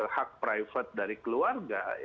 hak private dari keluarga